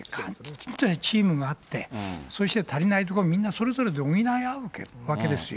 きちんとチームがあって、そして足りないところはみんなそれぞれで補い合うわけですよ。